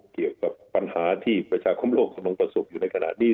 เกี่ยวกับปัญหาที่ประชาคมโลกกำลังประสบอยู่ในขณะนี้